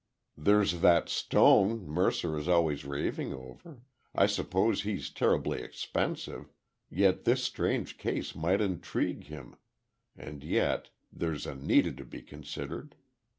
There's that Stone, Mercer is always raving over—I suppose he's terribly expensive—yet this strange case might intrigue him—and yet—there's Anita to be considered.